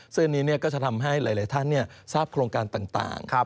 ซึ่งอันนี้ก็จะทำให้หลายท่านทราบโครงการต่าง